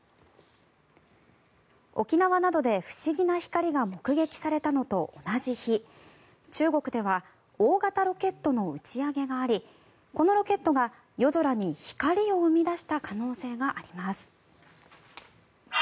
沖縄などで不思議な光が目撃されたのと同じ日中国では大型ロケットの打ち上げがありこのロケットが夜空に光を生み出した可能性があります。